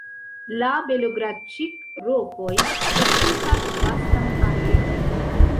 La Belogradĉik-rokoj okupas vastan areon.